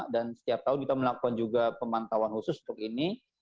dan setiap tahun kita melakukan juga pemantauan khusus untuk ini